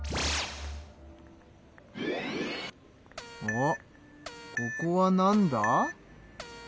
おっここはなんだ？